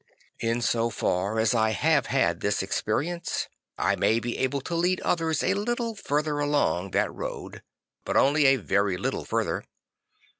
In so far as I have had this experience, I may be able to lead others a little further along that road; but only a very little further.